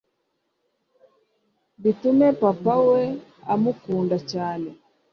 'bitume papa we amukunda cyane!